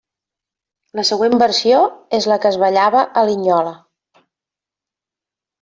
La següent versió és la que es ballava a Linyola.